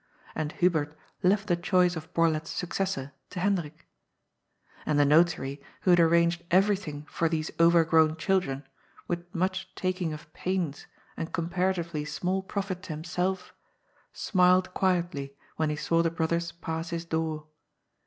And Hubert left the choice of Borlett's successor to Hendrik. And the notary, who had arranged everything for these overgrown children with much taking of pains and com paratively small profit to himself , smiled quietly when he saw the brothers pass his door.